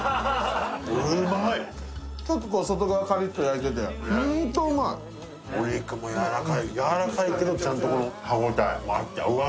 うまいちょっと外側カリッと焼いててホントうまいお肉もやわらかいやわらかいけどちゃんとこの歯応えもあってうわ